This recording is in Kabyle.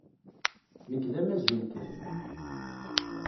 Nekk d amazun kan.